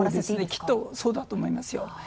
きっとそうだと思いますよ。